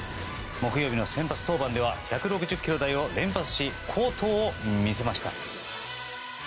木曜日の先発登板では１６０キロ台を連発し好投を見せました。